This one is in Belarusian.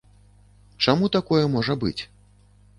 Чаму такое можа быць?